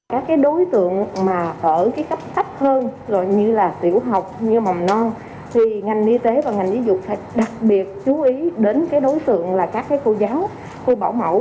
các cái đối tượng mà ở cái cấp tấp hơn rồi như là tiểu học như mầm non thì ngành y tế và ngành y dục phải đặc biệt chú ý đến cái đối tượng là các cái cô giáo cô bảo mẫu